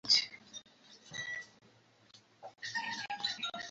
Iko kusini mwa nchi.